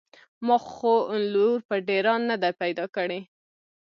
ما خو لور په ډېران نده پيدا کړې.